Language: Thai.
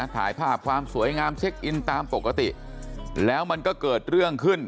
ถ่ายภาพความสวยงามเช็คอินตามปกติแล้วมันก็เกิดเรื่องขึ้น